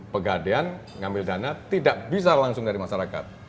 pegadean ngambil dana tidak bisa langsung dari masyarakat